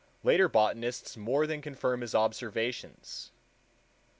Later botanists more than confirm his observations.